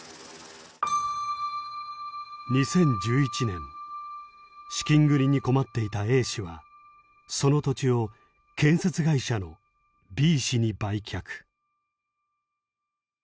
２０１１年資金繰りに困っていたＡ氏はその土地を建設会社のＢ氏に売却。